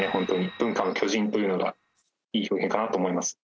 文化の巨人というのがいい表現かなと思います。